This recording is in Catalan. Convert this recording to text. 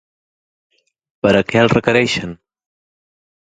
Per a què el requereixen?